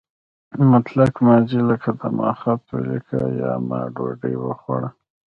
مطلق ماضي لکه ما خط ولیکه یا ما ډوډۍ وخوړه.